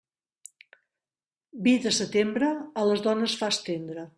Vi de setembre, a les dones fa estendre.